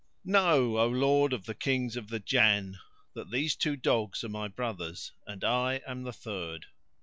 Know, O lord of the Kings of the Jann! that these two dogs are my brothers and I am the third.